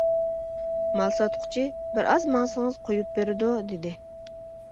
مال ساتقۇچى:-بىر ئاز ماڭسىڭىز قويۇپ بېرىدۇ، -دېدى.